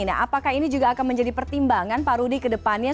nah apakah ini juga akan menjadi pertimbangan pak rudi ke depannya